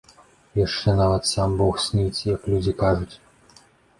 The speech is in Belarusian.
Яшчэ нават сам бог сніць, як людзі кажуць.